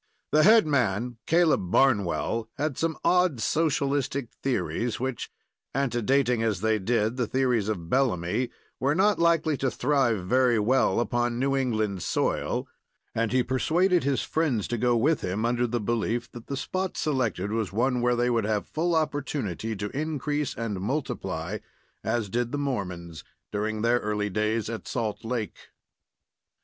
The head man, Caleb Barnwell, had some odd socialistic theories, which, antedating as they did the theories of Bellamy, were not likely to thrive very well upon New England soil, and he pursuaded his friends to go with him, under the belief that the spot selected was one where they would have full opportunity to increase and multiply, as did the Mormons during their early days at Salt Lake.